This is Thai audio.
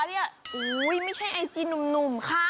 โอ้โฮไม่ใช่ไอจีนุ่มค่ะ